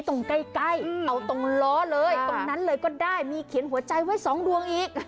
ต่อเลยตรงนั้นเลยก็ได้มีเขียนหัวใจไว้๒ดวงอีก